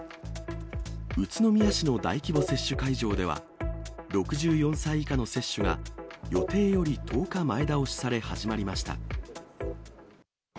宇都宮市の大規模接種会場では、６４歳以下の接種が予定より１０日前倒しされ始まりました。